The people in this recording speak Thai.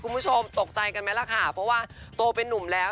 คุณผู้ชมตกใจกันไหมล่ะค่ะเพราะว่าโตเป็นนุ่มแล้ว